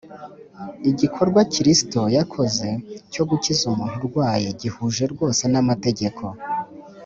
Igikorwa Kristo yakoze cyo gukiza umuntu urwaye gihuje rwose n’amategeko